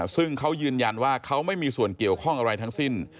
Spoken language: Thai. ซึ่งเขายืนยันว่าเขาไม่มีส่วนเกี่ยวข้องอะไรทั้งสิ้น